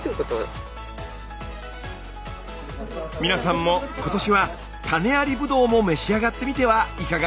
皆さんも今年は種ありブドウも召し上がってみてはいかが？